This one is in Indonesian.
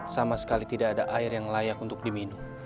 sama sekali tidak ada air yang layak untuk diminum